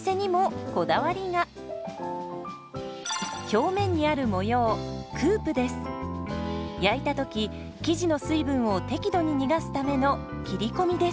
表面にある模様焼いた時生地の水分を適度に逃がすための切り込みです。